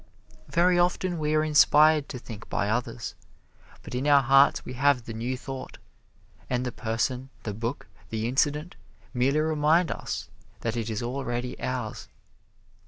Very often we are inspired to think by others, but in our hearts we have the New Thought; and the person, the book, the incident, merely remind us that it is already ours.